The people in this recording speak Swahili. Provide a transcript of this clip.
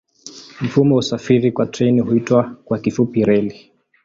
Mfumo wa usafiri kwa treni huitwa kwa kifupi reli.